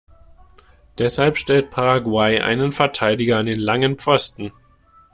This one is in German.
Deshalb stellt Paraguay einen Verteidiger an den langen Pfosten.